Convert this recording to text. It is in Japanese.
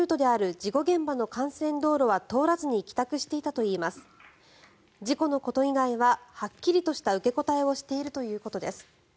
事故のこと以外ははっきりとした受け答えをしているということです。